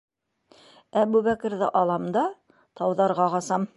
Әбүбәкерҙе алам да... тауҙарға ҡасам!